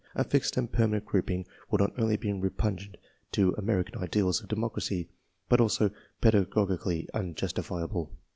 A fixed and permanent grouping would not only be/e pugnant to American ideals of democracy, but also pedagogically unjustifiable.